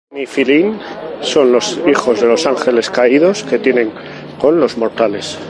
Nephilim, son los hijos de los ángeles caídos que tienen con los mortales.